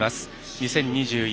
２０２１